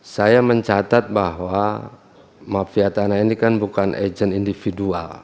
saya mencatat bahwa mafia tanah ini kan bukan agent individual